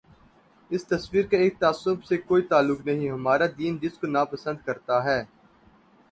اس تصور کا اس تعصب سے کوئی تعلق نہیں، ہمارا دین جس کو ناپسند کر تا ہے۔